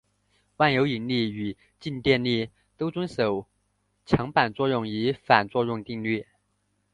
万有引力与静电力都遵守强版作用与反作用定律。